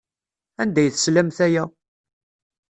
Anda ay teslamt aya?